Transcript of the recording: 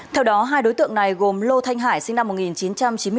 theo đó hai đối tượng này gồm lô thanh hải sinh năm một nghìn chín trăm chín mươi bốn